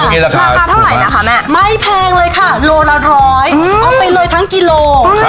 อ๋อห้องหน้าขนาดน้อยไม่แพงเลยค่ะโรลละร้อยอืมออกไปเลยทั้งกิโลค่ะ